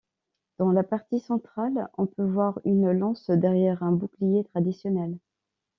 Dans la partie centrale, on peut voir une lance derrière un bouclier traditionnel.